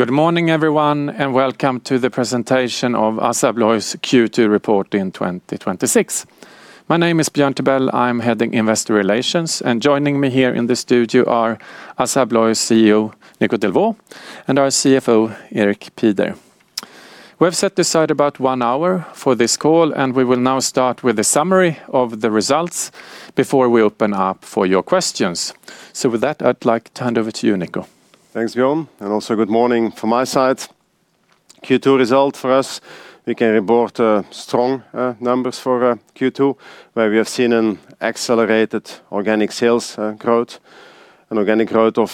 Good morning, everyone, and welcome to the presentation of ASSA ABLOY's Q2 report in 2026. My name is Björn Tibell. I am Head of Investor Relations, and joining me here in the studio are ASSA ABLOY CEO Nico Delvaux and our CFO, Erik Pieder. We have set aside about one hour for this call, and we will now start with a summary of the results before we open up for your questions. With that, I would like to hand over to you, Nico. Thanks, Björn, and also good morning from my side. Q2 result for us, we can report strong numbers for Q2, where we have seen an accelerated organic sales growth, an organic growth of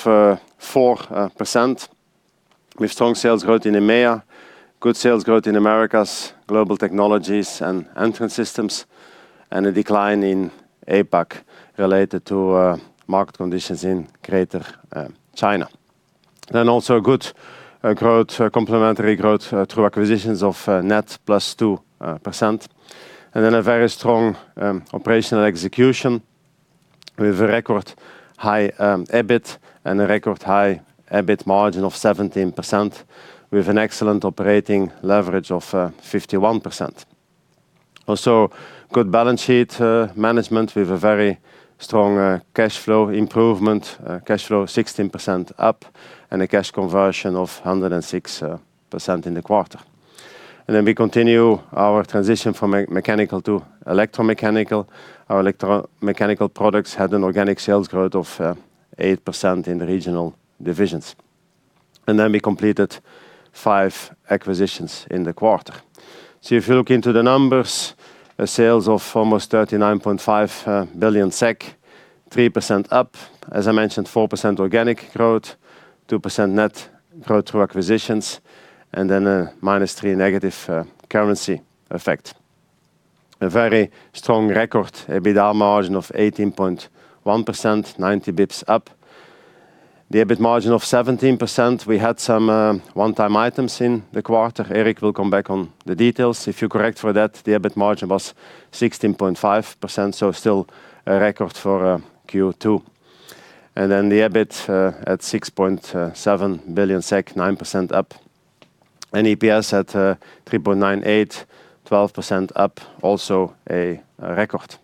4%, with strong sales growth in EMEA, good sales growth in Americas, Global Technologies and Entrance Systems, and a decline in APAC related to market conditions in Greater China. Also good complementary growth through acquisitions of net +2%. And then a very strong operational execution with a record high EBIT and a record high EBIT margin of 17%, with an excellent operating leverage of 51%. Also, good balance sheet management with a very strong cash flow improvement, cash flow 16% up, and a cash conversion of 106% in the quarter. And then we continue our transition from mechanical to electromechanical. Our Electromechanical products had an organic sales growth of 8% in the regional divisions. Then we completed five acquisitions in the quarter. If you look into the numbers, sales of almost 39.5 billion SEK, 3% up. As I mentioned, 4% organic growth, 2% net growth through acquisitions, and then a -3% negative currency effect. A very strong record EBITDA margin of 18.1%, 90 basis points up. The EBIT margin of 17%, we had some one-time items in the quarter. Erik will come back on the details. If you correct for that, the EBIT margin was 16.5%, so still a record for Q2. And then the EBIT at 6.7 billion SEK, 9% up. And EPS at 3.98, 12% up, also a record.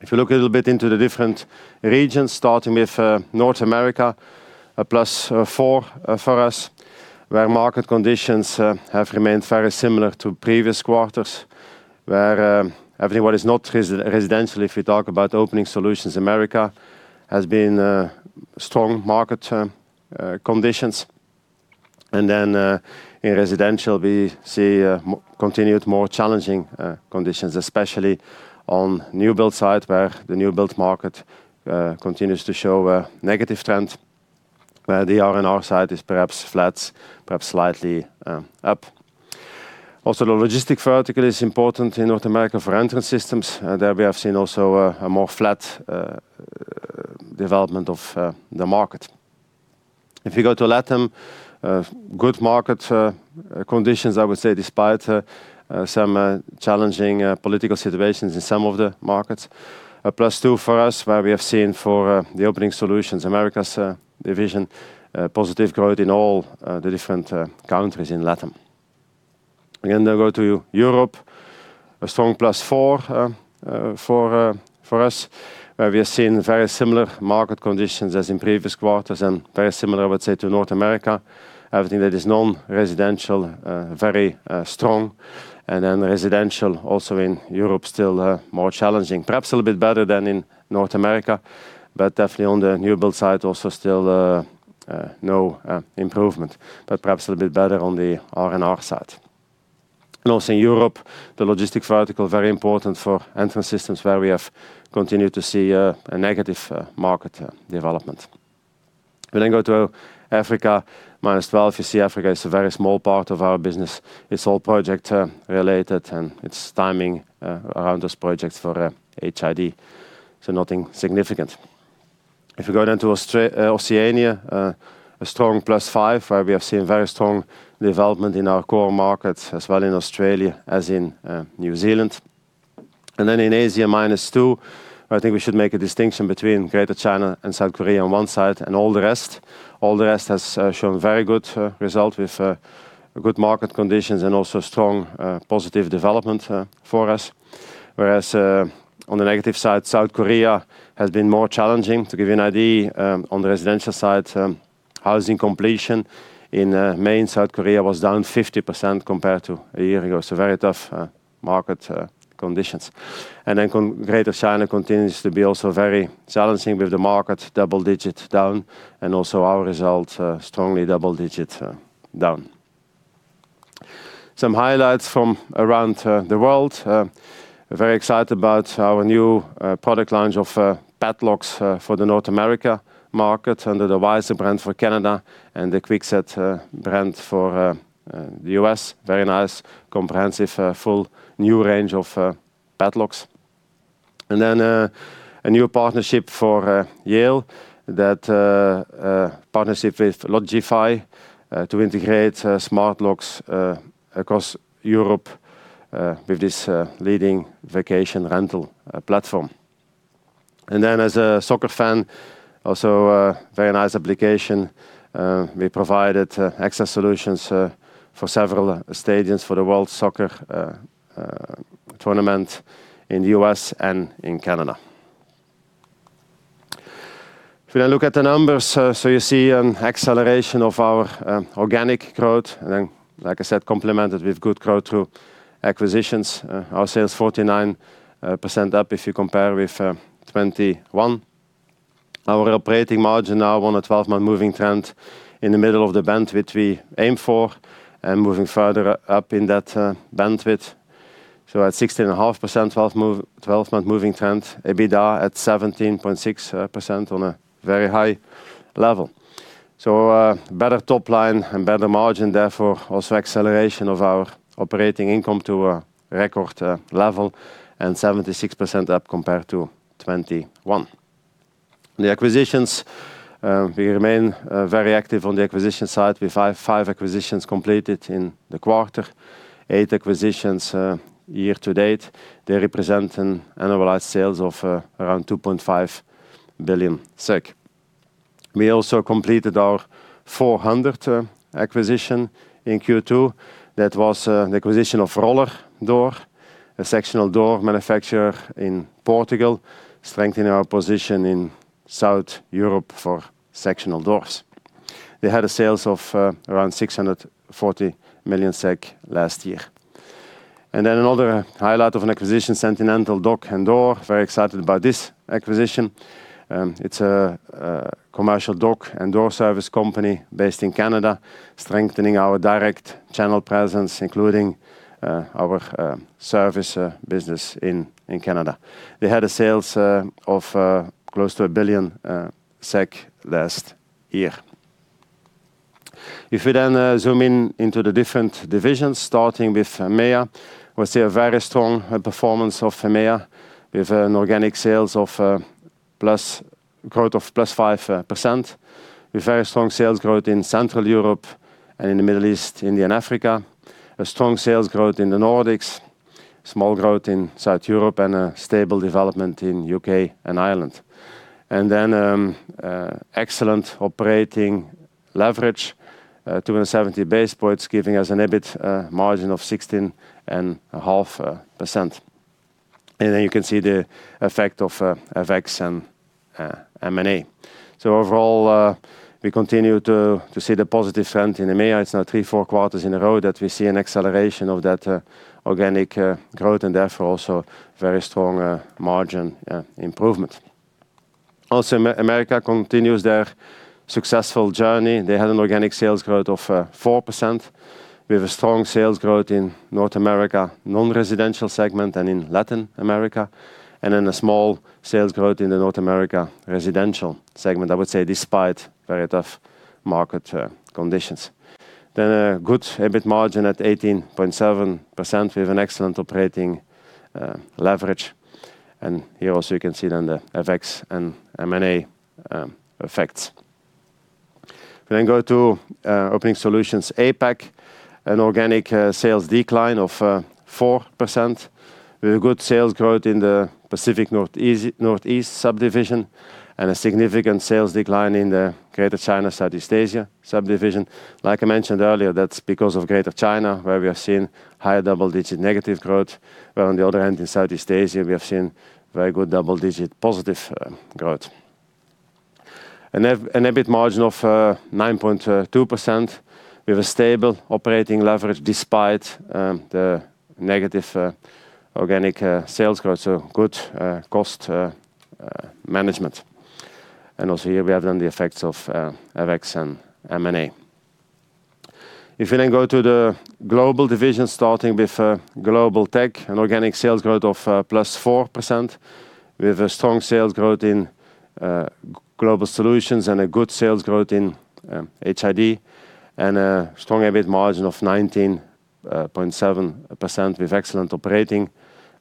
If you look a little bit into the different regions, starting with North America, a +4% for us, where market conditions have remained very similar to previous quarters, where everyone is not residential, if you talk about Opening Solutions. Americas has been strong market conditions. And then in residential, we see continued more challenging conditions, especially on new build side, where the new build market continues to show a negative trend, where the R&R side is perhaps flat, perhaps slightly up. Also, the logistic vertical is important in North America for Entrance Systems. There we have seen also a more flat development of the market. If you go to LATAM, good market conditions, I would say, despite some challenging political situations in some of the markets. A +2% for us, where we have seen for the Opening Solutions Americas division, a positive growth in all the different countries in LATAM. Again, then go to Europe, a strong +4% for us, where we have seen very similar market conditions as in previous quarters and very similar, I would say, to North America. Everything that is non-residential, very strong. Residential also in Europe still more challenging. Perhaps a little bit better than in North America, but definitely on the new build side, also still no improvement, but perhaps a little bit better on the R&R side. In Europe, the logistics vertical, very important for Entrance Systems, where we have continued to see a negative market development. Africa, -12%. You see Africa is a very small part of our business. It's all project-related, and it's timing around those projects for HID, so nothing significant. If you go down to Oceania, a strong +5%, where we have seen very strong development in our core markets as well in Australia as in New Zealand. In Asia, -2%. I think we should make a distinction between Greater China and South Korea on one side and all the rest. All the rest has shown very good result with good market conditions and also strong positive development for us. Whereas on the negative side, South Korea has been more challenging. To give you an idea, on the residential side, housing completion in mainland South Korea was down 50% compared to a year ago. Very tough market conditions. Greater China continues to be also very challenging with the market double-digit down, and also our results strongly double-digit down. Some highlights from around the world. Very excited about our new product launch of padlocks for the North America market under the Weiser brand for Canada and the Kwikset brand for the U.S. Very nice, comprehensive, full new range of padlocks. A new partnership for Yale, that partnership with Lodgify to integrate smart locks across Europe with this leading vacation rental platform. As a soccer fan, also a very nice application. We provided access solutions for several stadiums for the World Cup in the U.S. and in Canada. If you look at the numbers, you see an acceleration of our organic growth, like I said, complemented with good growth through acquisitions. Our sales, 49% up if you compare with 2021. Our operating margin now on a 12 month moving trend, in the middle of the band which we aim for, and moving further up in that bandwidth. At 16.5% 12 month moving trend, EBITDA at 17.6% on a very high level. Better top line and better margin, therefore, also acceleration of our operating income to a record level, and 76% up compared to 2021. The acquisitions, we remain very active on the acquisition side. We have five acquisitions completed in the quarter, eight acquisitions year-to-date. They represent an annualized sales of around 2.5 billion SEK. We also completed our 400th acquisition in Q2. That was the acquisition of Rollerdoor, a sectional door manufacturer in Portugal, strengthening our position in South Europe for sectional doors. They had sales of around 640 million last year. Another highlight of an acquisition, Sentinel Dock & Door. Very excited about this acquisition. It's a commercial dock and door service company based in Canada, strengthening our direct channel presence, including our service business in Canada. They had sales of close to 1 billion SEK last year. If we zoom in into the different divisions, starting with EMEIA, we see a very strong performance of EMEIA with an organic growth of +5%, with very strong sales growth in Central Europe and in the Middle East, India, and Africa, a strong sales growth in the Nordics, small growth in South Europe, and a stable development in U.K. and Ireland. Excellent operating leverage, 270 basis points, giving us an EBIT margin of 16.5%. You can see the effect of FX and M&A. Overall, we continue to see the positive trend in EMEIA. It's now three, four quarters in a row that we see an acceleration of that organic growth, and therefore, also very strong margin improvement. Also, Americas continues their successful journey. They had an organic sales growth of 4%, with strong sales growth in North America non-residential segment and in Latin America, a small sales growth in the North America residential segment, I would say despite very tough market conditions. A good EBIT margin at 18.7%, with an excellent operating leverage. Here also you can see the FX and M&A effects. We go to Opening Solutions APAC, an organic sales decline of 4%, with good sales growth in the Pacific and Northeast Asia subdivision and a significant sales decline in the Greater China, Southeast Asia subdivision. Like I mentioned earlier, that's because of Greater China, where we have seen higher double-digit negative growth. Where on the other hand, in Southeast Asia, we have seen very good double-digit positive growth. An EBIT margin of 9.2% with a stable operating leverage despite the negative organic sales growth, so good cost management. Also here we have the effects of FX and M&A. If we go to the Global Technologies division, starting with Global Technologies and organic sales growth of +4%, with strong sales growth in Global Solutions and a good sales growth in HID, a strong EBIT margin of 19.7% with excellent operating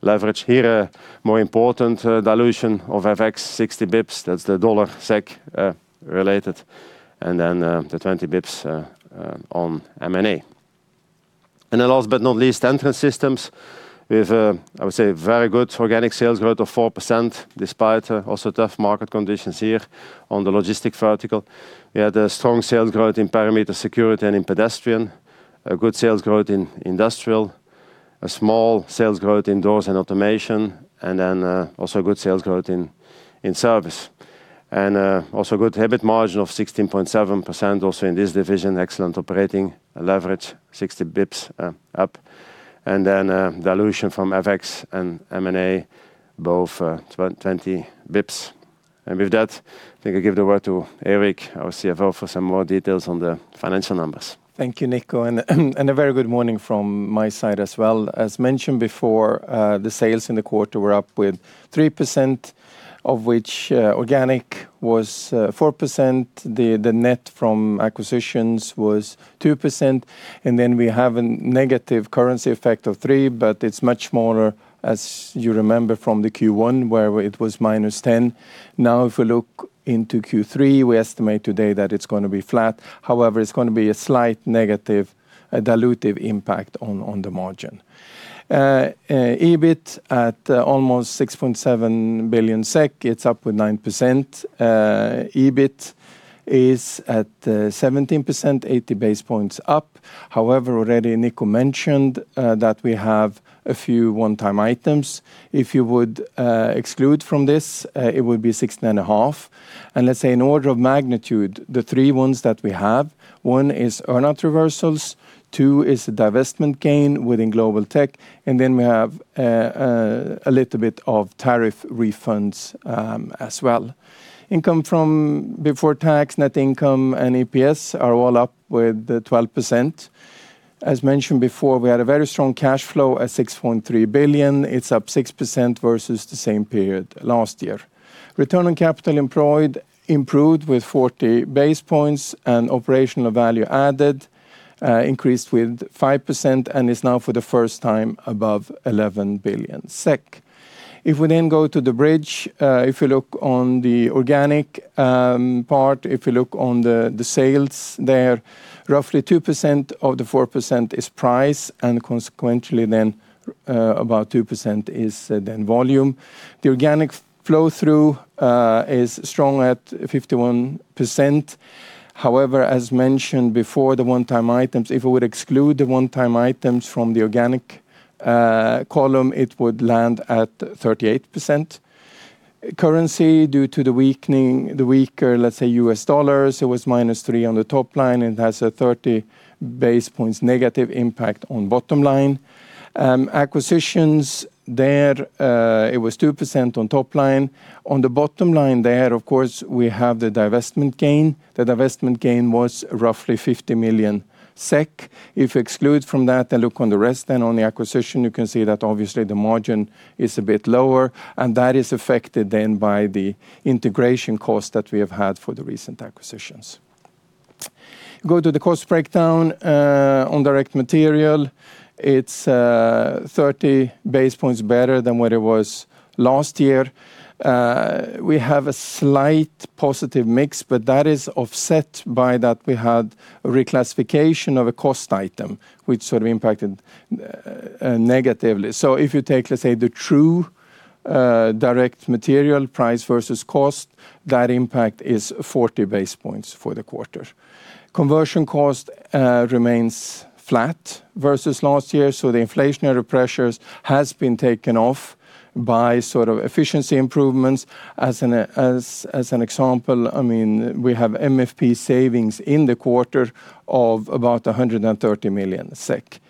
leverage. Here, more important dilution of FX 60 basis points. That's the dollar SEK related, the 20 basis points on M&A. Last but not least, Entrance Systems with, I would say, very good organic sales growth of 4%, despite also tough market conditions here on the logistics vertical. We had a strong sales growth in Perimeter Security and in pedestrian, a good sales growth in industrial, a small sales growth in doors and automation, also good sales growth in service. Also good EBIT margin of 16.7% also in this division, excellent operating leverage, 60 basis points up. Dilution from FX and M&A both 20 basis points. With that, I think I give the word to Erik, our CFO, for some more details on the financial numbers. Thank you, Nico, and a very good morning from my side as well. As mentioned before, the sales in the quarter were up with 3%, of which organic was 4%. The net from acquisitions was 2%, and then we have a negative currency effect of 3%, but it is much smaller, as you remember from the Q1, where it was -10%. Now, if we look into Q3, we estimate today that it is going to be flat. However, it is going to be a slight negative dilutive impact on the margin. EBIT at almost 6.7 billion SEK, it is up with 9%. EBIT is at 17%, 80 basis points up. However, already Nico mentioned that we have a few one-time items. If you would exclude from this, it would be 16.5%. Let's say an order of magnitude, the three ones that we have, one is earnout reversals, two is the divestment gain within Global Tech, and then we have a little bit of tariff refunds as well. Income from before tax, net income, and EPS are all up with 12%. As mentioned before, we had a very strong cash flow at 6.3 billion. It is up 6% versus the same period last year. Return on capital employed improved with 40 basis points, and operational value added increased with 5% and is now for the first time above 11 billion SEK. If we go to the bridge, if you look on the organic part, if you look on the sales there, roughly 2% of the 4% is price, and consequently about 2% is volume. The organic flow-through is strong at 51%. However, as mentioned before, the one-time items, if we would exclude the one-time items from the organic column, it would land at 38%. Currency, due to the weaker, let's say U.S. dollars, it was -3% on the top line, and it has a 30 basis points negative impact on bottom line. Acquisitions there, it was 2% on top line. On the bottom line there, of course, we have the divestment gain. The divestment gain was roughly 50 million SEK. If you exclude from that and look on the rest on the acquisition, you can see that obviously the margin is a bit lower, and that is affected then by the integration cost that we have had for the recent acquisitions. Go to the cost breakdown on direct material. It is 30 basis points better than what it was last year. We have a slight positive mix, that is offset by that we had a reclassification of a cost item, which sort of impacted negatively. If you take, let's say, the true direct material price versus cost, that impact is 40 basis points for the quarter. Conversion cost remains flat versus last year, so the inflationary pressures has been taken off by efficiency improvements. As an example, we have MFP savings in the quarter of about 130 million SEK.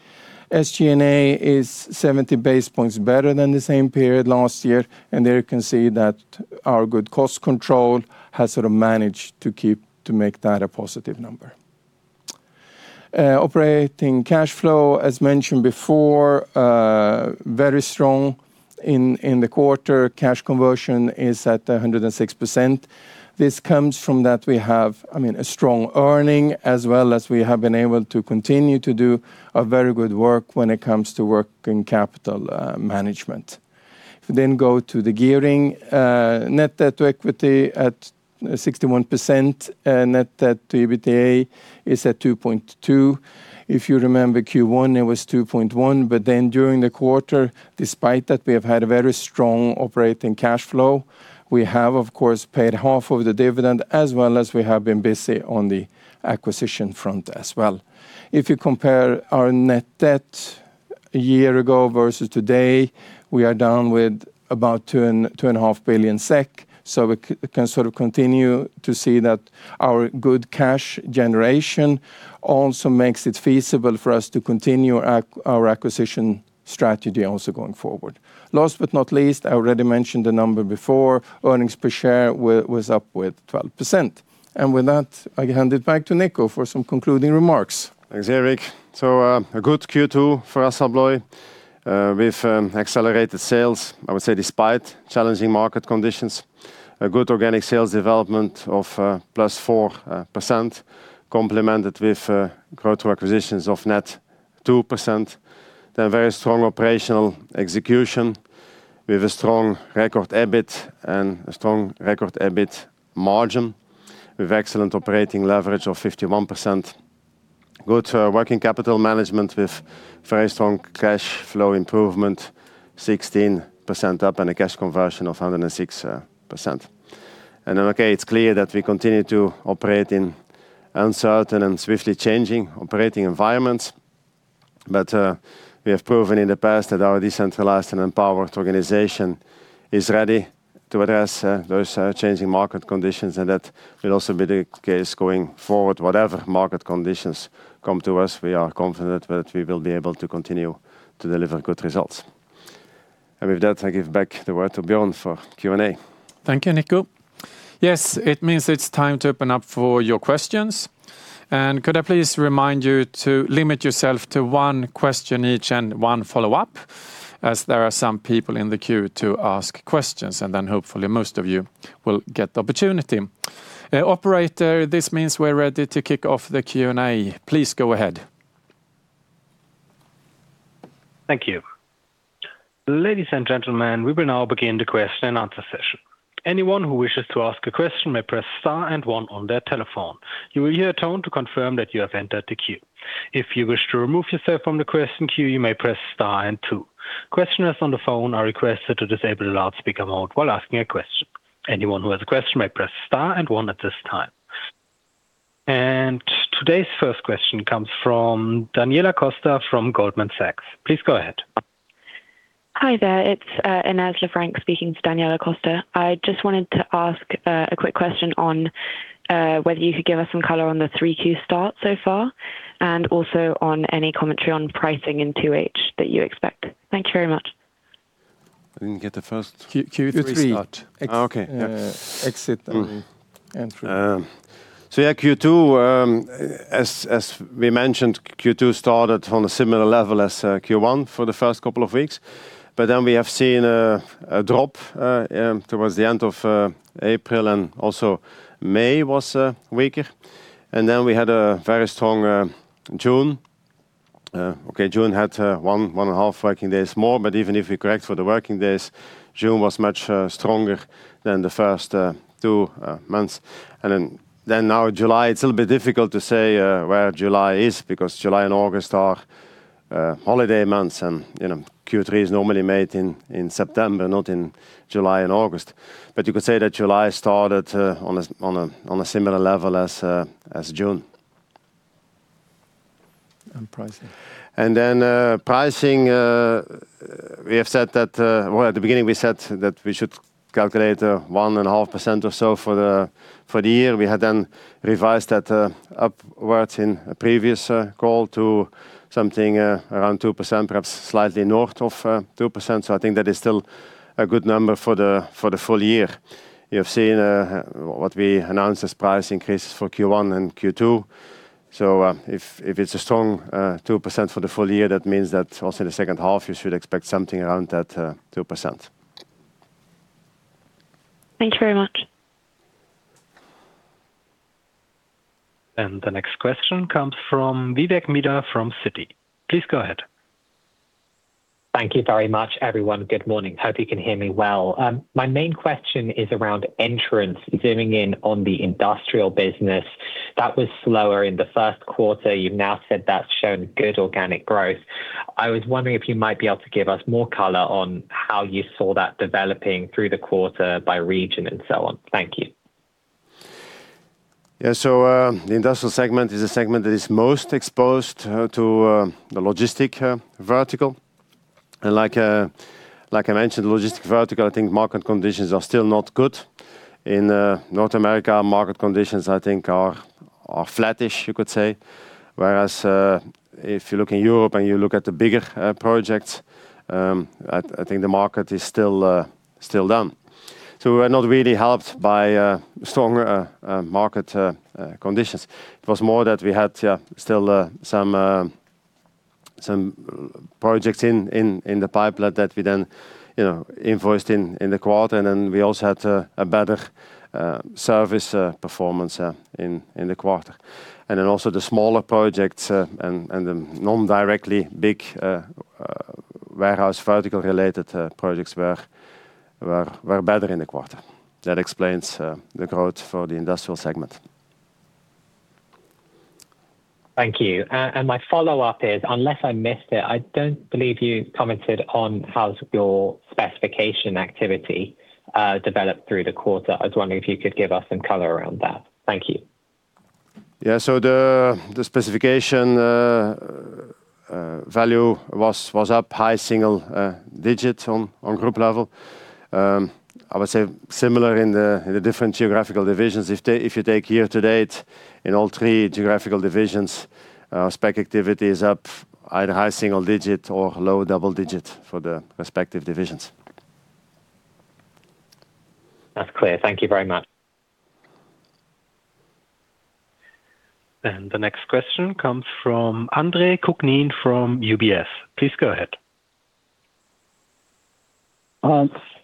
SG&A is 70 basis points better than the same period last year, and there you can see that our good cost control has managed to make that a positive number. Operating cash flow, as mentioned before, very strong in the quarter. Cash conversion is at 106%. This comes from that we have strong earnings as well as we have been able to continue to do very good work when it comes to working capital management. If you go to the gearing, net debt to equity at 61%, net debt to EBITA is at 2.2x. If you remember Q1, it was 2.1x. During the quarter, despite that we have had a very strong operating cash flow, we have, of course, paid half of the dividend as well as we have been busy on the acquisition front. If you compare our net debt a year ago versus today, we are down with about 2.5 billion SEK. We can continue to see that our good cash generation also makes it feasible for us to continue our acquisition strategy going forward. Last but not least, I already mentioned the number before, earnings per share was up with 12%. With that, I hand it back to Nico for some concluding remarks. Thanks, Erik. A good Q2 for ASSA ABLOY. With accelerated sales, I would say, despite challenging market conditions. A good organic sales development of +4%, complemented with growth acquisitions of net 2%. Very strong operational execution with a strong record EBIT and a strong record EBIT margin with excellent operating leverage of 51%. Good working capital management with very strong cash flow improvement, 16% up, and a cash conversion of 106%. Okay, it's clear that we continue to operate in uncertain and swiftly changing operating environments. We have proven in the past that our decentralized and empowered organization is ready to address those changing market conditions, and that will also be the case going forward. Whatever market conditions come to us, we are confident that we will be able to continue to deliver good results. With that, I give back the word to Björn for Q and A. Thank you, Nico. Yes, it means it's time to open up for your questions. Could I please remind you to limit yourself to one question each and one follow-up, as there are some people in the queue to ask questions, then hopefully, most of you will get the opportunity. Operator, this means we're ready to kick off the Q&A. Please go ahead. Thank you. Ladies and gentlemen, we will now begin the question and answer session. Anyone who wishes to ask a question may press star and one on their telephone. You will hear a tone to confirm that you have entered the queue. If you wish to remove yourself from the question queue, you may press star and two. Questioners on the phone are requested to disable the loudspeaker mode while asking a question. Anyone who has a question may press star and one at this time. Today's first question comes from Daniela Costa from Goldman Sachs. Please go ahead. Hi there, it's Ines Lefranc speaking to Daniela Costa. I just wanted to ask a quick question on whether you could give us some color on the Q3 start so far, and also on any commentary on pricing in 2H that you expect. Thank you very much. I didn't get the first. Q3 start. Q3. Okay. Yes. Exit entry. Yeah, as we mentioned, Q2 started on a similar level as Q1 for the first couple of weeks. We have seen a drop towards the end of April, and also May was weaker. We had a very strong June. Okay, June had one and a half working days more, even if we correct for the working days, June was much stronger than the first two months. Now July, it's a little bit difficult to say where July is because July and August are holiday months and Q3 is normally made in September, not in July and August. You could say that July started on a similar level as June. Pricing. Pricing. At the beginning, we said that we should calculate 1.5% or so for the year. We had then revised that upwards in a previous call to something around 2%, perhaps slightly north of 2%. I think that is still a good number for the full year. You have seen what we announced as price increases for Q1 and Q2. If it's a strong 2% for the full year, that means that also in the second half, you should expect something around that 2%. Thank you very much. The next question comes from Vivek Midha from Citi. Please go ahead. Thank you very much, everyone. Good morning. Hope you can hear me well. My main question is around Entrance zooming in on the Industrial business. That was slower in the 1st quarter. You’ve now said that’s shown good organic growth. I was wondering if you might be able to give us more color on how you saw that developing through the quarter by region and so on. Thank you. Yeah. The Industrial segment is a segment that is most exposed to the logistic vertical. Like I mentioned, logistic vertical, I think market conditions are still not good. In North America, market conditions I think are flattish, you could say. Whereas, if you look in Europe and you look at the bigger projects, I think the market is still down. We are not really helped by stronger market conditions. It was more that we had still some projects in the pipeline that we then invoiced in the quarter. We also had a better service performance in the quarter. Also the smaller projects and the non-directly big warehouse vertical related projects were better in the quarter. That explains the growth for the Industrial segment. Thank you. My follow-up is, unless I missed it, I don’t believe you commented on how your specification activity developed through the quarter. I was wondering if you could give us some color around that. Thank you. Yeah. The specification value was up high single digits on group level. I would say similar in the different geographical divisions. If you take year-to-date in all three geographical divisions, spec activity is up either high single digit or low double digit for the respective divisions. That's clear. Thank you very much. The next question comes from Andre Kukhnin from UBS. Please go ahead.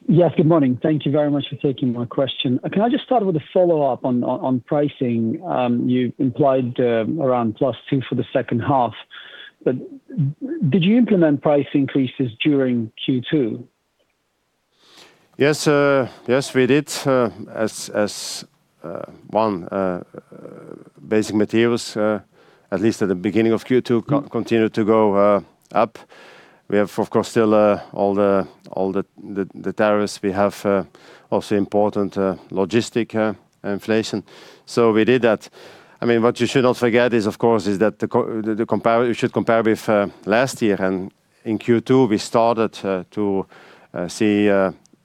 Yes, good morning. Thank you very much for taking my question. Can I just start with a follow-up on pricing? You implied around +2% for the second half. Did you implement price increases during Q2? Yes. Yes, we did. As one, basic materials at least at the beginning of Q2 continued to go up. We have, of course, still all the tariffs. We have also important logistic inflation. We did that. What you should not forget is, of course, is that you should compare with last year. In Q2, we started to see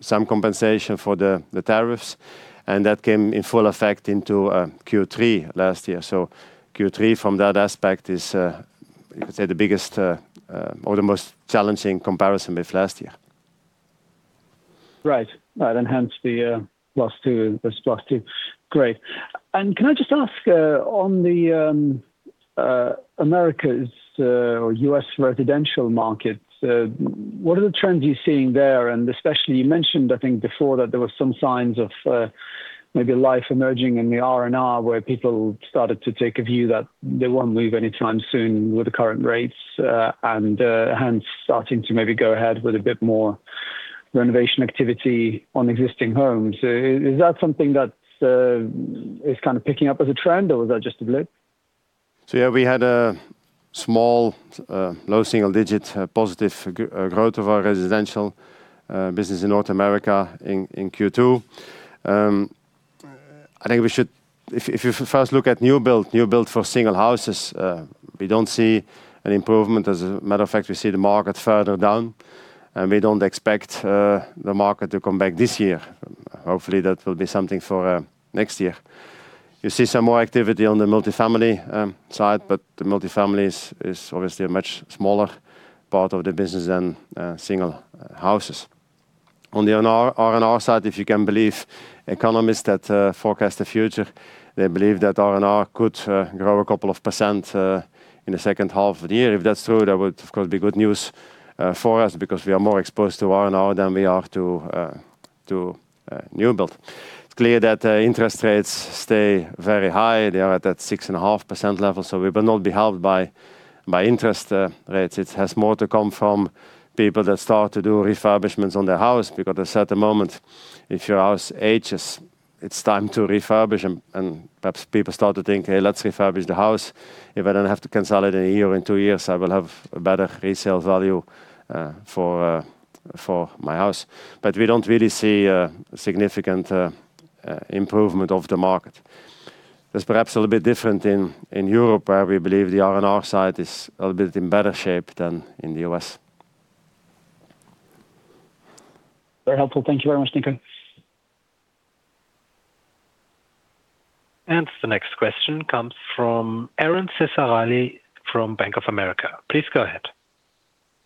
some compensation for the tariffs, and that came in full effect into Q3 last year. Q3 from that aspect is, you could say the biggest or the most challenging comparison with last year. Right. That enhance the +2%. Great. Can I just ask on the Americas or U.S. residential markets what are the trends you're seeing there? Especially, you mentioned, I think before that there were some signs of life emerging in the R&R where people started to take a view that they won't move anytime soon with the current rates, and hence starting to maybe go ahead with a bit more renovation activity on existing homes. Is that something that is picking up as a trend, or was that just a blip? Yeah, we had a small, low single-digit positive growth of our residential business in North America in Q2. I think if you first look at new build for single houses, we don't see an improvement. As a matter of fact, we see the market further down, we don't expect the market to come back this year. Hopefully, that will be something for next year. You see some more activity on the multifamily side, the multifamily is obviously a much smaller part of the business than single houses. On the R&R side, if you can believe economists that forecast the future, they believe that R&R could grow a couple of percent in the second half of the year. If that's true, that would, of course, be good news for us because we are more exposed to R&R than we are to new build. It's clear that interest rates stay very high. They are at that 6.5% level, we will not be helped by interest rates. It has more to come from people that start to do refurbishments on their house, because at a certain moment, if your house ages, it's time to refurbish. Perhaps people start to think, "Hey, let's refurbish the house. If I don't have to sell it in a year or in two years, I will have a better resale value for my house." We don't really see a significant improvement of the market. That's perhaps a little bit different in Europe, where we believe the R&R side is a little bit in better shape than in the U.S. Very helpful. Thank you very much, Nico. The next question comes from Aron Ceccarelli from Bank of America. Please go ahead.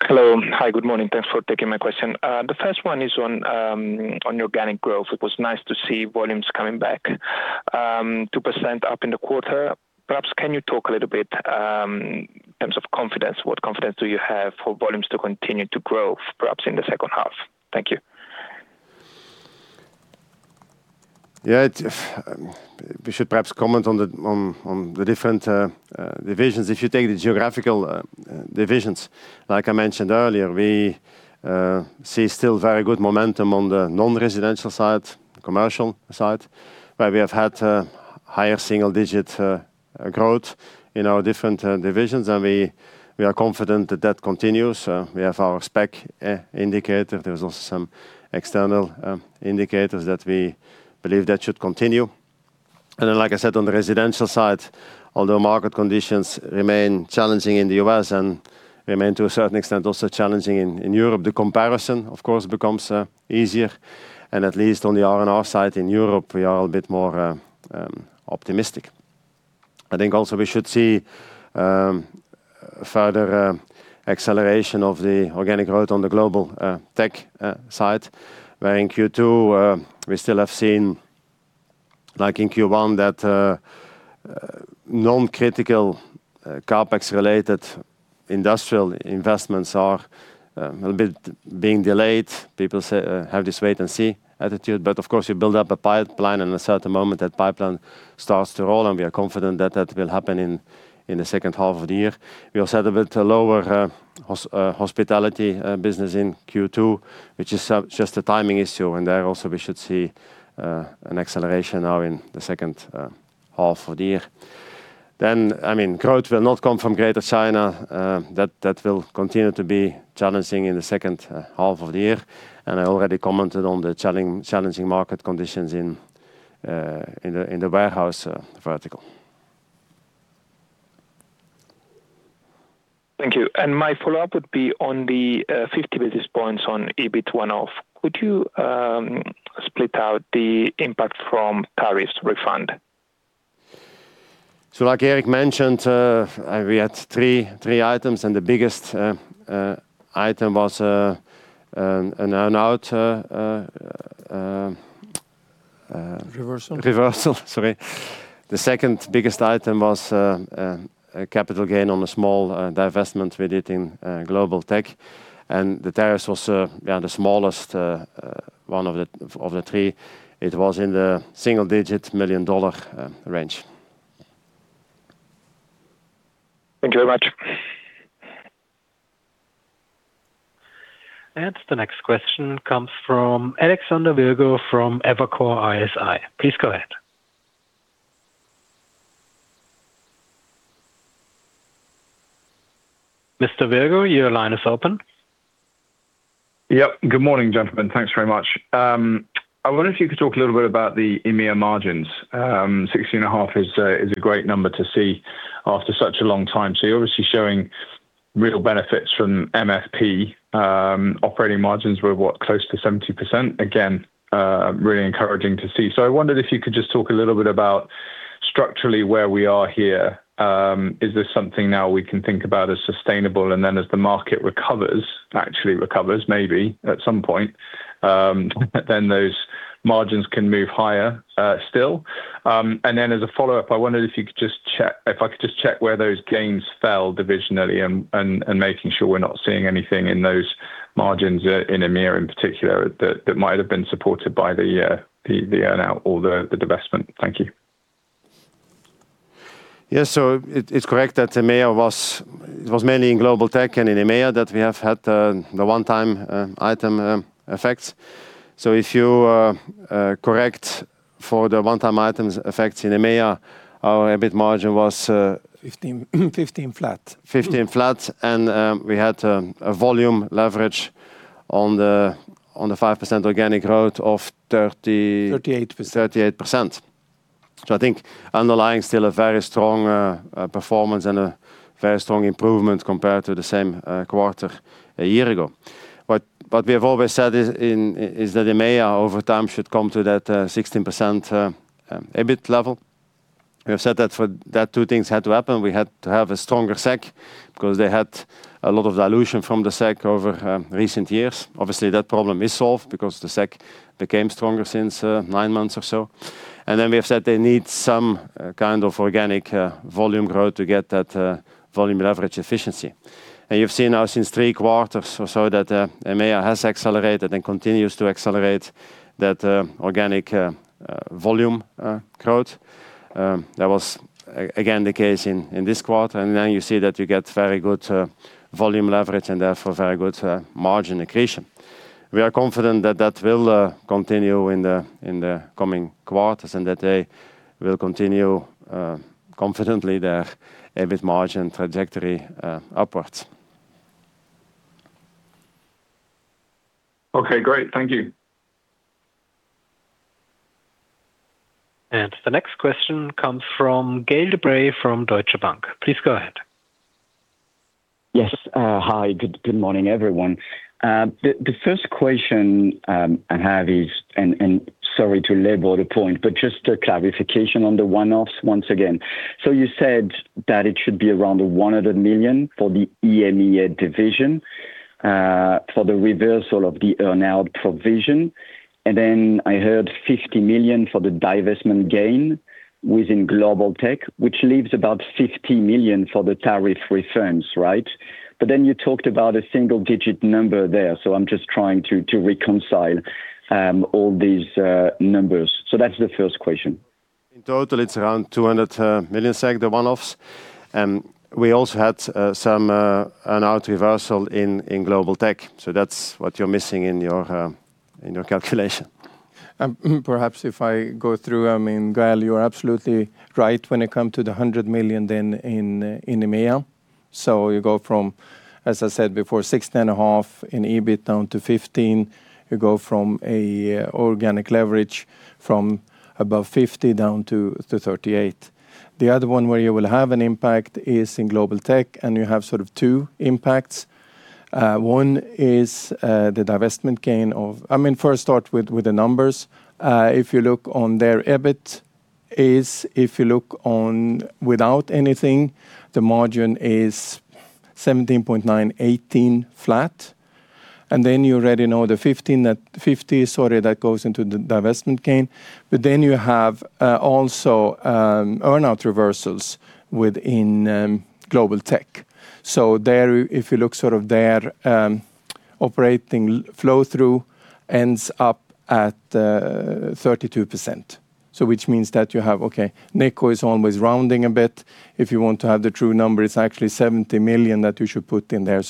Hello. Hi, good morning. Thanks for taking my question. The first one is on organic growth. It was nice to see volumes coming back, 2% up in the quarter. Perhaps can you talk a little bit in terms of confidence? What confidence do you have for volumes to continue to grow, perhaps in the second half? Thank you. We should perhaps comment on the different divisions. If you take the geographical divisions, like I mentioned earlier, we see still very good momentum on the non-residential side, commercial side, where we have had higher single-digit growth in our different divisions, and we are confident that that continues. We have our spec indicator. There is also some external indicators that we believe that should continue. Then, like I said, on the residential side, although market conditions remain challenging in the U.S. and remain, to a certain extent, also challenging in Europe, the comparison, of course, becomes easier. At least on the R&R side in Europe, we are a bit more optimistic. I think also we should see further acceleration of the organic growth on the Global Tech side, where in Q2, we still have seen, like in Q1, that non-critical CapEx-related industrial investments are a little bit being delayed. People have this wait and see attitude. Of course, you build up a pipeline, and at a certain moment, that pipeline starts to roll, and we are confident that that will happen in the second half of the year. We also had a bit lower hospitality business in Q2, which is just a timing issue. There also we should see an acceleration now in the second half of the year. Growth will not come from Greater China. That will continue to be challenging in the second half of the year. I already commented on the challenging market conditions in the warehouse vertical. Thank you. My follow-up would be on the 50 basis points on EBIT one-off. Could you split out the impact from tariffs refund? Like Erik mentioned, we had three items, and the biggest item was an earn-out- Reversal Reversal, sorry. The second-biggest item was a capital gain on a small divestment we did in Global Tech. The tariffs was the smallest one of the three. It was in the single-digit million dollar range. Thank you very much. The next question comes from Alexander Virgo from Evercore ISI. Please go ahead. Mr. Virgo, your line is open. Yep. Good morning, gentlemen. Thanks very much. I wonder if you could talk a little bit about the EMEIA margins. 16.5% is a great number to see after such a long time. You're obviously showing real benefits from MFP. Operating margins were, what, close to 70%. Again, really encouraging to see. I wondered if you could just talk a little bit about structurally where we are here. Is this something now we can think about as sustainable, and then as the market recovers, actually recovers, maybe at some point, then those margins can move higher still? As a follow-up, I wondered if I could just check where those gains fell divisionally and making sure we're not seeing anything in those margins in EMEIA in particular, that might have been supported by the earn-out or the divestment. Thank you. Yes, it's correct that it was mainly in Global Tech and in EMEIA that we have had the one-time item effects. If you correct for the one-time items effects in EMEIA, our EBIT margin was- 15% flat 15% flat. We had a volume leverage on the 5% organic growth of. 38% 38%. I think underlying still a very strong performance and a very strong improvement compared to the same quarter a year ago. What we have always said is that EMEIA, over time, should come to that 16% EBIT level. We have said that two things had to happen. We had to have a stronger SEK, because they had a lot of dilution from the SEK over recent years. Obviously, that problem is solved because the SEK became stronger since nine months or so. We have said they need some kind of organic volume growth to get that volume leverage efficiency. You've seen now since three quarters or so that EMEIA has accelerated and continues to accelerate that organic volume growth. That was, again, the case in this quarter. You see that you get very good volume leverage and therefore very good margin accretion. We are confident that that will continue in the coming quarters and that they will continue confidently their EBIT margin trajectory upwards. Okay, great. Thank you. The next question comes from Gael de-Bray from Deutsche Bank. Please go ahead. Yes. Hi, good morning, everyone. The first question I have is, and sorry to belabor the point, but just a clarification on the one-offs once again. You said that it should be around 100 million for the EMEIA division for the reversal of the earn-out provision. I heard 50 million for the divestment gain within Global Tech, which leaves about 50 million for the tariff refunds, right? You talked about a single-digit number there, I'm just trying to reconcile all these numbers. That's the first question. In total, it's around 200 million SEK, the one-offs. We also had some earn-out reversal in Global Tech. That's what you're missing in your calculation. Perhaps if I go through. Gael, you are absolutely right when it comes to the 100 million then in EMEIA. You go from, as I said before, 16.5% in EBIT down to 15%. You go from organic leverage from above 50% down to 38%. The other one where you will have an impact is in Global Tech, you have two impacts. One is the divestment gain of. First start with the numbers. If you look on their EBIT is, if you look on without anything, the margin is 17.9%, 18% flat. You already know the 15% at 50%, sorry, that goes into the divestment gain. You have also earn-out reversals within Global Tech. There, if you look their operating flow through ends up at 32%. Which means that you have, okay, Nico is always rounding a bit. If you want to have the true number, it is actually 70 million that you should put in there.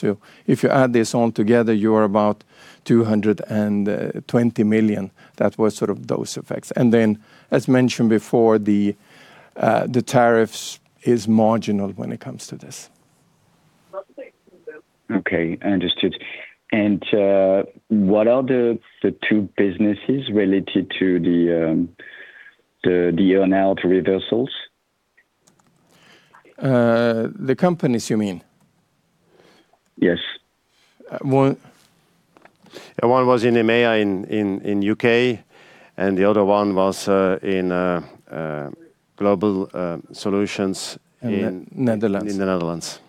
If you add this all together, you are about 220 million. That was those effects. Then, as mentioned before, the tariffs is marginal when it comes to this. Okay, understood. What are the two businesses related to the earn-out reversals? The companies, you mean? Yes. One- One was in EMEIA in U.K., and the other one was in Global Solutions. Netherlands in the Netherlands.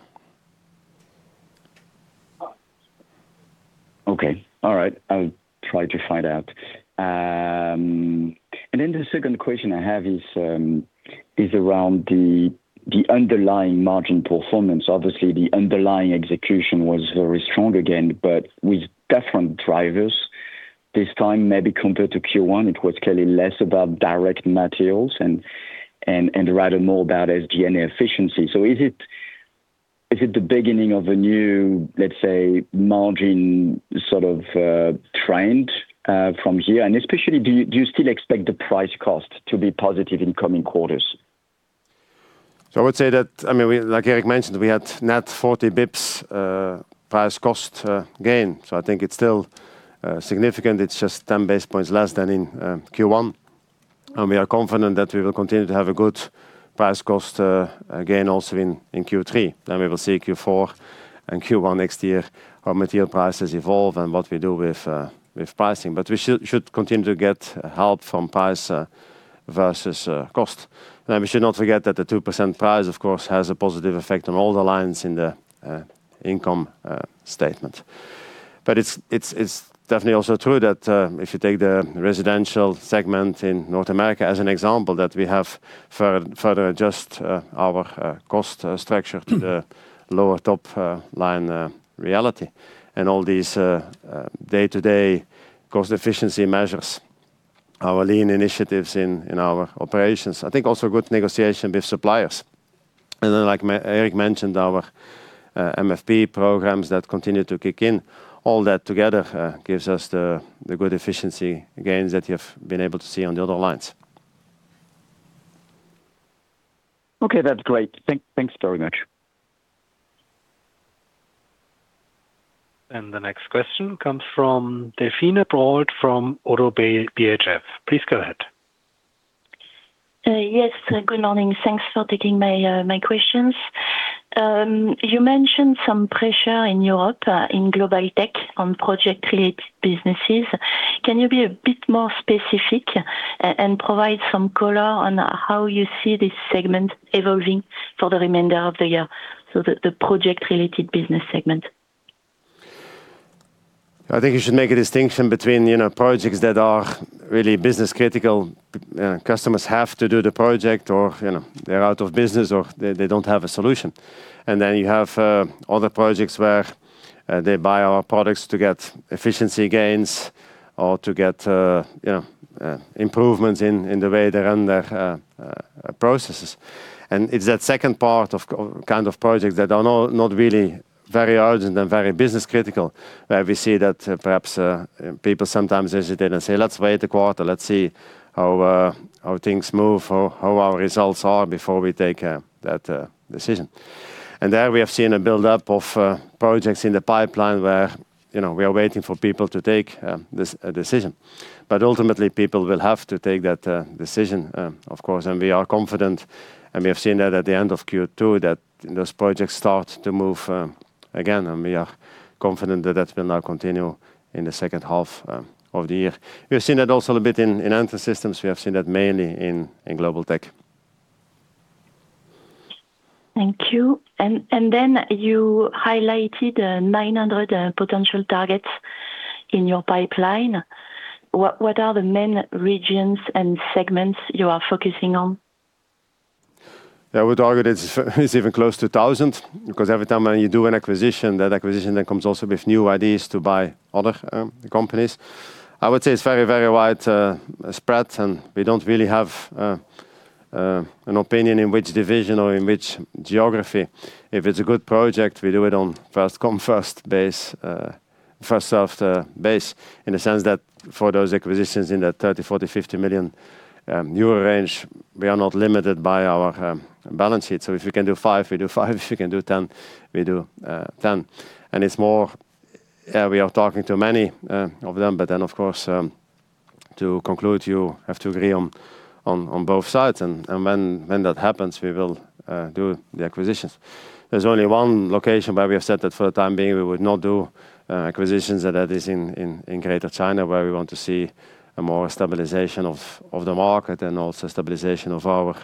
Okay. All right. I'll try to find out. The second question I have is around the underlying margin performance. Obviously, the underlying execution was very strong again, but with different drivers this time, maybe compared to Q1, it was clearly less about direct materials and rather more about SG&A efficiency. Is it the beginning of a new, let's say, margin trend from here? And especially, do you still expect the price cost to be positive in coming quarters? I would say that, like Erik mentioned, we had net 40 basis points price cost gain. I think it's still significant. It's just 10 basis points less than in Q1. We are confident that we will continue to have a good price cost gain also in Q3. We will see Q4 and Q1 next year, how material prices evolve and what we do with pricing. We should continue to get help from price versus cost. We should not forget that the 2% price, of course, has a positive effect on all the lines in the income statement. It's definitely also true that if you take the residential segment in North America as an example, that we have further adjust our cost structure to the lower top line reality, and all these day-to-day cost efficiency measures Our lean initiatives in our operations. I think also good negotiation with suppliers. Like Erik mentioned, our MFP programs that continue to kick in. All that together gives us the good efficiency gains that you've been able to see on the other lines. Okay, that's great. Thanks very much. The next question comes from Delphine Brault from ODDO BHF. Please go ahead. Yes, good morning. Thanks for taking my questions. You mentioned some pressure in Europe, in Global Tech on project-related businesses. Can you be a bit more specific and provide some color on how you see this segment evolving for the remainder of the year? So the project-related business segment. I think you should make a distinction between projects that are really business critical. Customers have to do the project, or they're out of business, or they don't have a solution. Then you have other projects where they buy our products to get efficiency gains or to get improvements in the way they run their processes. It's that second part of kind of projects that are not really very urgent and very business critical, where we see that perhaps people sometimes hesitate and say, "Let's wait a quarter. Let's see how things move or how our results are before we take that decision." There we have seen a buildup of projects in the pipeline where we are waiting for people to take this decision. Ultimately, people will have to take that decision, of course. We are confident, and we have seen that at the end of Q2, that those projects start to move again, and we are confident that will now continue in the second half of the year. We have seen that also a bit in Entrance Systems. We have seen that mainly in Global Tech. Thank you. You highlighted 900 potential targets in your pipeline. What are the main regions and segments you are focusing on? Yeah, we targeted it's even close to 1,000 because every time when you do an acquisition, that acquisition then comes also with new ideas to buy other companies. I would say it's very widespread, and we don't really have an opinion in which division or in which geography. If it's a good project, we do it on first come, first served basis, in the sense that for those acquisitions in that 30 million, 40 million, 50 million euro range, we are not limited by our balance sheet. If we can do five, we do five. If we can do 10, we do 10. It's more we are talking to many of them, of course, to conclude, you have to agree on both sides, and when that happens, we will do the acquisitions. There's only one location where we have said that for the time being, we would not do acquisitions, and that is in Greater China, where we want to see a more stabilization of the market and also stabilization of our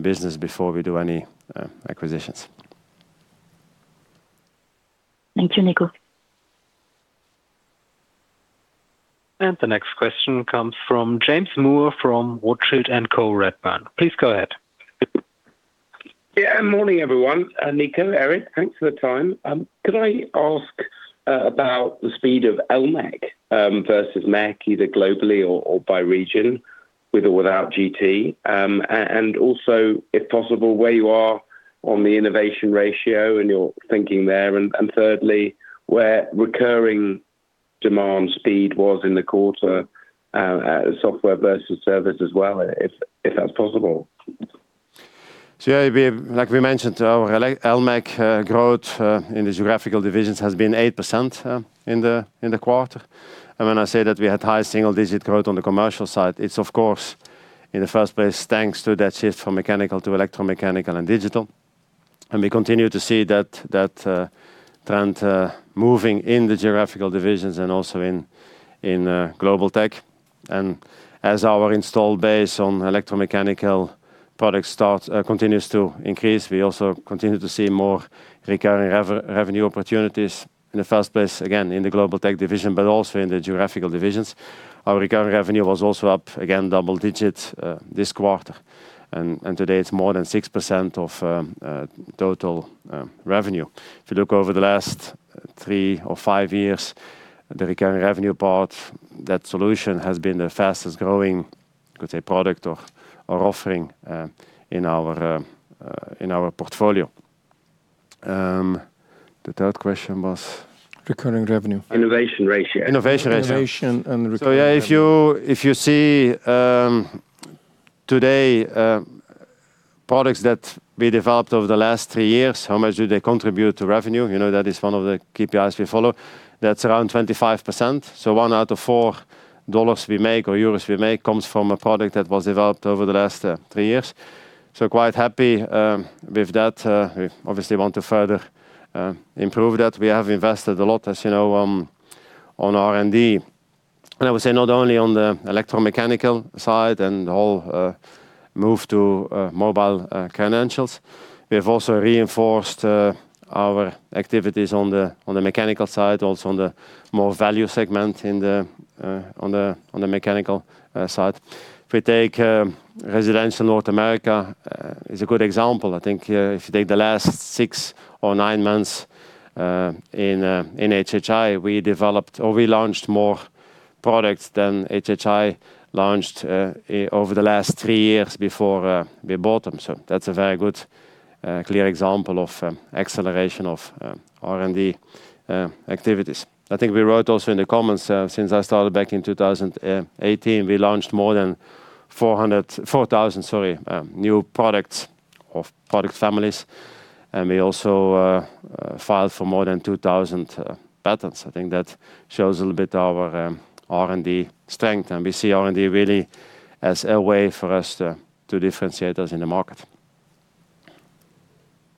business before we do any acquisitions. Thank you, Nico. The next question comes from James Moore from Rothschild & Co Redburn. Please go ahead. Morning everyone. Nico, Erik, thanks for the time. Could I ask about the speed of EMAG versus MAG, either globally or by region, with or without GT? Also, if possible, where you are on the innovation ratio and your thinking there, thirdly, where recurring demand speed was in the quarter, software versus service as well, if that's possible. Like we mentioned, our EMAG growth in the geographical divisions has been 8% in the quarter. When I say that we had high single-digit growth on the commercial side, it is of course in the first place, thanks to that shift from mechanical to electromechanical and digital. We continue to see that trend moving in the geographical divisions and also in Global Tech. As our install base on electromechanical products continues to increase, we also continue to see more recurring revenue opportunities in the first place, again, in the Global Tech division, but also in the geographical divisions. Our recurring revenue was also up again double digit this quarter, and today it is more than 6% of total revenue. If you look over the last three or five years, the recurring revenue part, that solution has been the fastest-growing, you could say, product or offering in our portfolio. The third question was? Recurring revenue. Innovation ratio. Innovation ratio. Innovation and recurring revenue. Yeah, if you see today products that we developed over the last three years, how much do they contribute to revenue? That is one of the KPIs we follow. That is around 25%. One out of four dollars we make or euros we make comes from a product that was developed over the last three years. Quite happy with that. We obviously want to further improve that. We have invested a lot, as you know, on R&D. I would say not only on the electromechanical side and the whole move to mobile credentials, we have also reinforced our activities on the mechanical side, also on the more value segment on the mechanical side. If we take Residential North America as a good example, I think if you take the last six or nine months in HHI, we developed or we launched more products than HHI launched over the last three years before we bought them. That is a very good, clear example of acceleration of R&D activities. I think we wrote also in the comments, since I started back in 2018, we launched more than 4,000 new products or product families, and we also filed for more than 2,000 patents. I think that shows a little bit our R&D strength, and we see R&D really as a way for us to differentiate us in the market.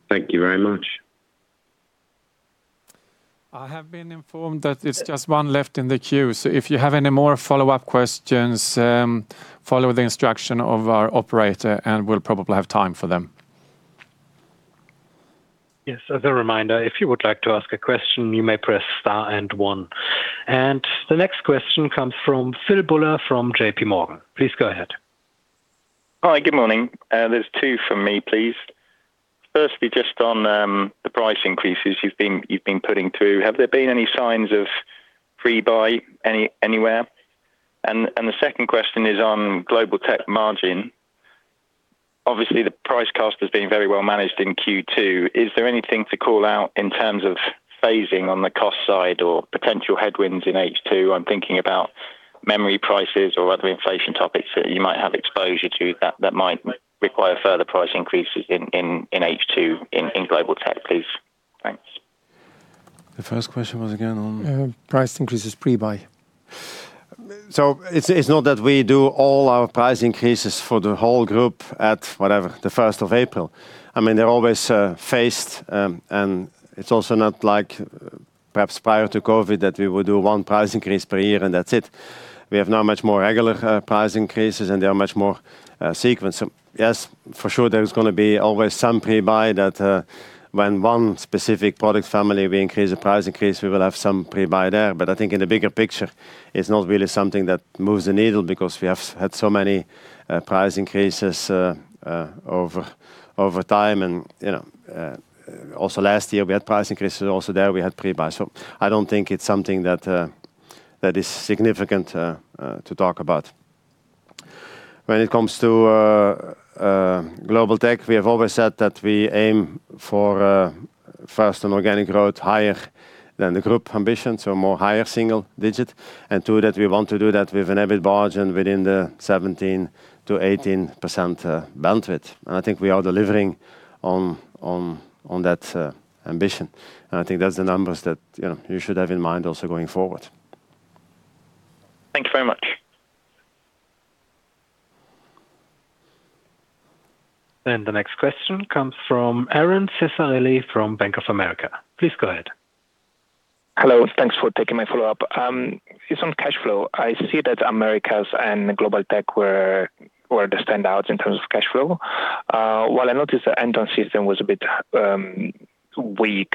Thank you very much. I have been informed that it's just one left in the queue, so if you have any more follow-up questions, follow the instruction of our operator, and we'll probably have time for them. Yes. As a reminder, if you would like to ask a question, you may press star and one. The next question comes from Phil Buller from JP Morgan. Please go ahead. Hi. Good morning. There's two from me, please. Firstly, just on the price increases you've been putting through, have there been any signs of pre-buy anywhere? The second question is on Global Tech margin. Obviously, the price cost has been very well managed in Q2. Is there anything to call out in terms of phasing on the cost side or potential headwinds in H2? I'm thinking about memory prices or other inflation topics that you might have exposure to that might require further price increases in H2 in Global Tech, please. Thanks. The first question was again on? Price increases pre-buy. It's not that we do all our price increases for the whole group at, whatever, the first of April. They're always phased, it's also not like perhaps prior to COVID that we would do one price increase per year and that's it. We have now much more regular price increases, they are much more sequenced. Yes, for sure, there's going to be always some pre-buy that when one specific product family we increase the price increase, we will have some pre-buy there. I think in the bigger picture, it's not really something that moves the needle because we have had so many price increases over time. Also last year we had price increases, also there we had pre-buy. I don't think it's something that is significant to talk about. When it comes to Global Tech, we have always said that we aim for first, an organic growth higher than the group ambition, more higher single digit. Two, that we want to do that with an EBIT margin within the 17%-18% bandwidth. I think we are delivering on that ambition, I think that's the numbers that you should have in mind also going forward. Thank you very much. The next question comes from Aron Ceccarelli from Bank of America. Please go ahead. Hello. Thanks for taking my follow-up. It's on cash flow. I see that Americas and Global Tech were the standouts in terms of cash flow, while I noticed the Entrance Systems was a bit weak,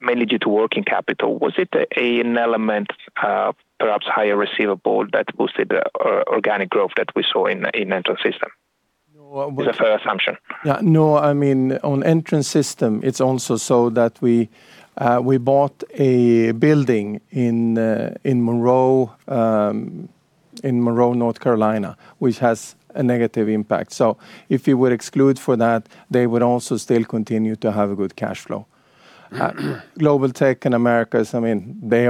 mainly due to working capital. Was it an element, perhaps higher receivable, that boosted the organic growth that we saw in Entrance Systems? No- Is a fair assumption. On Entrance Systems, it's also so that we bought a building in Monroe, North Carolina, which has a negative impact. If you would exclude for that, they would also still continue to have a good cash flow. Global Tech and Americas, they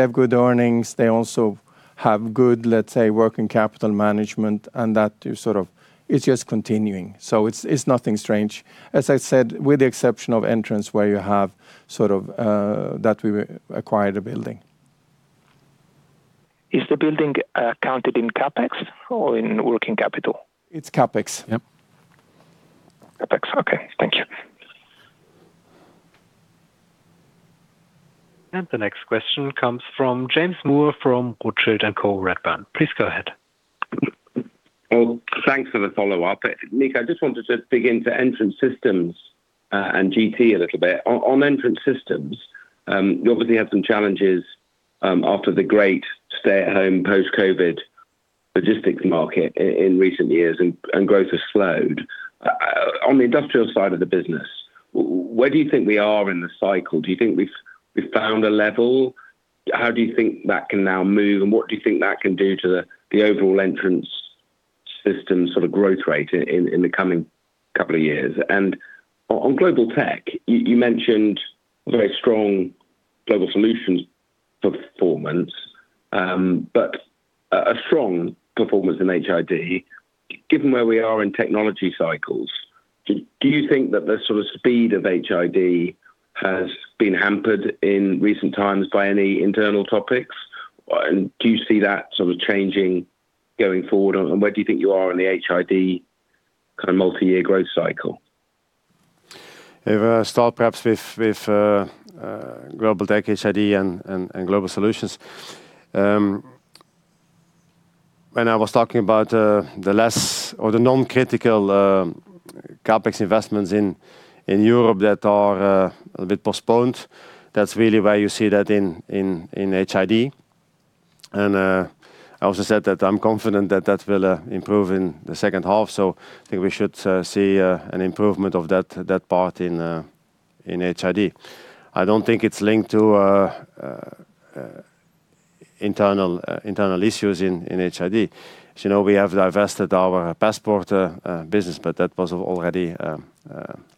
have good earnings. They also have good, let's say, working capital management, and that it's just continuing. It's nothing strange. As I said, with the exception of Entrance Systems where you have that we acquired a building. Is the building counted in CapEx or in working capital? It's CapEx. Yep. CapEx, okay. Thank you. The next question comes from James Moore from Rothschild & Co Redburn. Please go ahead. Well, thanks for the follow-up. Nico, I just wanted to dig into Entrance Systems and GT a little bit. On Entrance Systems, you obviously had some challenges after the great stay-at-home post-COVID logistics market in recent years and growth has slowed. On the industrial side of the business, where do you think we are in the cycle? Do you think we've found a level? How do you think that can now move, and what do you think that can do to the overall Entrance Systems growth rate in the coming couple of years? On Global Tech, you mentioned a very strong Global Solutions performance, but a strong performance in HID. Given where we are in technology cycles, do you think that the speed of HID has been hampered in recent times by any internal topics? Do you see that changing going forward, and where do you think you are in the HID kind of multi-year growth cycle? If I start perhaps with Global Tech, HID and Global Solutions. When I was talking about the less or the non-critical CapEx investments in Europe that are a bit postponed. That's really where you see that in HID. I also said that I'm confident that that will improve in the second half, so I think we should see an improvement of that part in HID. I don't think it's linked to internal issues in HID. As you know, we have divested our passport business, but that was already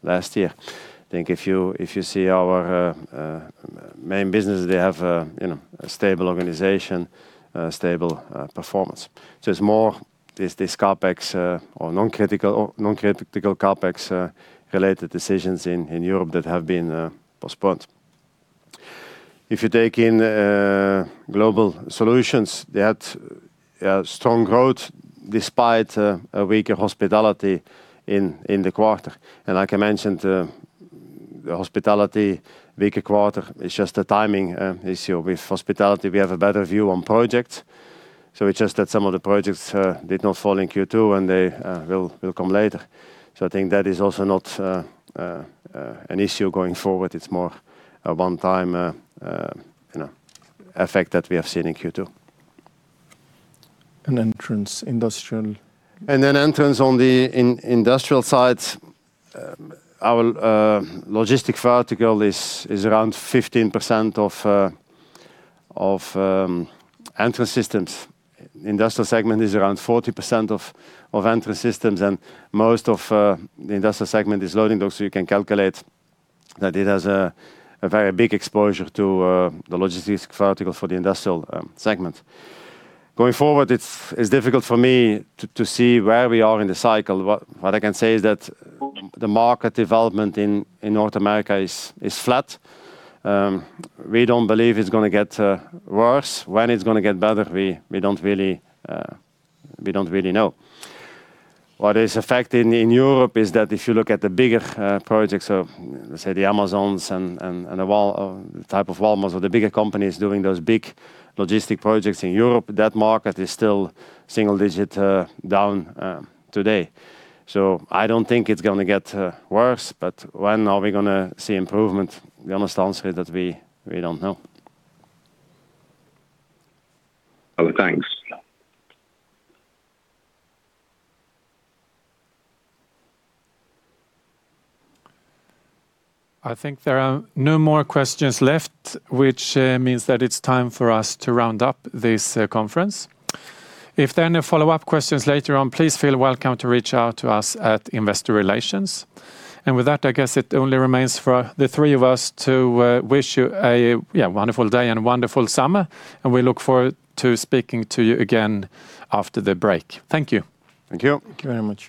last year. I think if you see our main business, they have a stable organization, stable performance. It's more this CapEx or non-critical CapEx related decisions in Europe that have been postponed. If you take in Global Solutions, they had strong growth despite a weaker hospitality in the quarter. Like I mentioned, the hospitality weaker quarter is just a timing issue. With hospitality, we have a better view on projects. It's just that some of the projects did not fall in Q2, and they will come later. I think that is also not an issue going forward. It's more a one-time effect that we have seen in Q2. entrance industrial. Entrance on the industrial side. Our logistics vertical is around 15% of Entrance Systems. Industrial segment is around 40% of Entrance Systems, and most of the industrial segment is loading, you can calculate, the data a very big exposure to the logistics vertical for the industrial segment. Going forward, it's difficult for me to see where we are in the cycle. What I can say is that the market development in North America is flat. We don't believe it's going to get worse. When it's going to get better, we don't really know. What is a fact in Europe is that if you look at the bigger projects of, let's say the Amazon and the type of Walmart or the bigger companies doing those big logistic projects in Europe, that market is still single-digit down today. I don't think it's going to get worse, but when are we going to see improvement? The honest answer is that we don't know. Okay, thanks. I think there are no more questions left, which means that it's time for us to round up this conference. If there are any follow-up questions later on, please feel welcome to reach out to us at Investor Relations. With that, I guess it only remains for the three of us to wish you a wonderful day and a wonderful summer, and we look forward to speaking to you again after the break. Thank you. Thank you. Thank you very much.